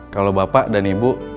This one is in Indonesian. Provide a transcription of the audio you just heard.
kalau bapak dan ibu